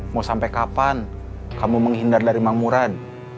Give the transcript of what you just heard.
mau sampai kapan kamu menghindar dari mang murad